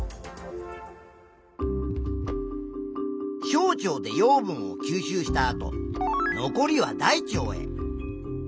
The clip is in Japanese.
小腸で養分を吸収したあと残りは大腸へ。